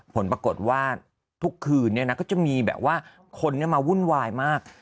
ผลปรากฏว่าทุกคืนก็จะมีแบบว่าคนมาวุ่นวายมาก